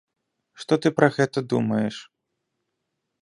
Што ты пра гэта думаеш?